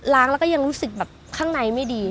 งแล้วก็ยังรู้สึกแบบข้างในไม่ดี